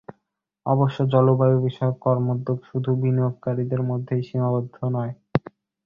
অবশ্যই, জলবায়ুবিষয়ক কর্মোদ্যোগ শুধু বিনিয়োগকারীদের মধ্যেই সীমাবদ্ধ নয়।